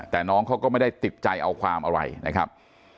แต่น้องเขาก็ไม่ได้ติดใจเอาความอะไรนะครับ